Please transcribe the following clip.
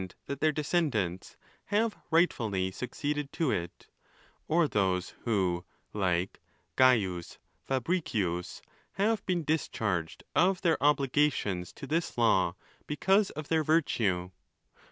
that their de scendants have rightfully succeeded to it; or those who, like Caius Fabricius, have been discharged of their obligations to this law. because. of their virtue.